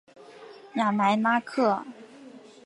雅莱拉克。